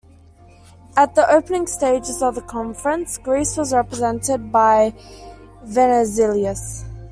At the opening stages of the conference, Greece was represented by Venizelos.